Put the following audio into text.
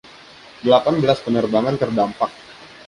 Delapan belas penerbangan terdampak.